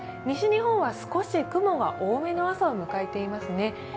西日本は少し雲が多めの朝を迎えていますね。